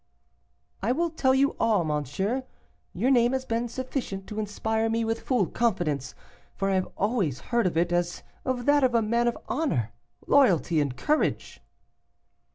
"I will tell you all, monsieur; your name has been sufficient to inspire me with full confidence, for I have always heard of it as of that of a man of honor, loyalty, and courage."